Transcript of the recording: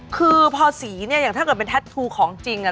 คือพอสีถ้าเกิดเป็นแท็ทตูของจริง